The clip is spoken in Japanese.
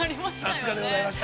◆さすがでございました。